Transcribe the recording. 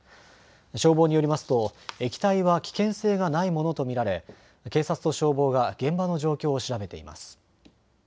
消防によりますと液体は危険性がないものと見られ警察と消防が現場の状況を調べています。